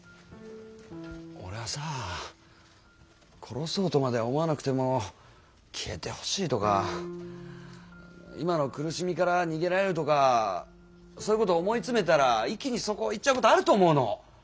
俺はさ殺そうとまでは思わなくても消えてほしいとか今の苦しみから逃げられるとかそういうこと思い詰めたら一気にそこ行っちゃうことあると思うの。